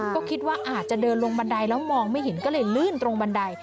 ก็คิดว่าอาจจะเดินลงบันไดแล้วมองไม่เห็นก็เลยลื่นตรงบันได